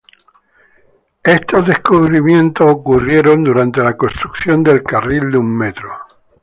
Estos descubrimientos ocurrieron durante la construcción del carril de un metro.